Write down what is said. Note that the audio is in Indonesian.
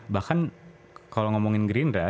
bahkan kalau ngomongin gerindra